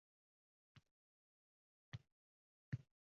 Ammo ijtimoiy tarmoqlarni o‘chirib qo‘yish muammolarni yechimi emas.